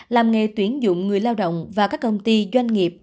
làm nghề tuyển dụng người lao động và các công ty doanh nghiệp